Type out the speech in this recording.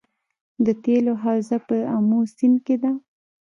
د تیلو حوزه په امو سیند کې ده